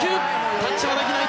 タッチはできない。